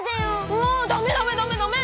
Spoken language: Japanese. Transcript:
ああダメダメダメダメ！